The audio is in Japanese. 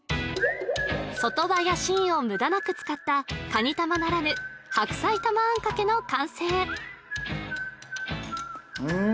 外葉や芯を無駄なく使ったかに玉ならぬ白菜玉あんかけの完成うん